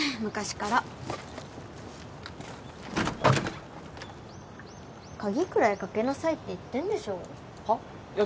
昔から鍵くらいかけなさいって言ってんでしょはっ？